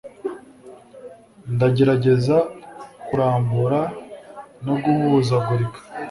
ndagerageza kurambura no guhuzagurika